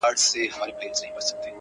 • پنډ اوربوز بدرنګه زامه یې لرله -